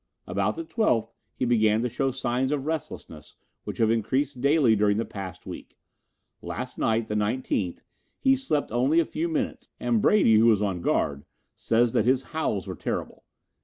About the twelfth he began to show signs of restlessness which have increased daily during the past week. Last night, the nineteenth, he slept only a few minutes and Brady, who was on guard, says that his howls were terrible.